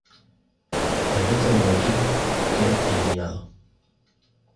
El resto de los equipos queda eliminado.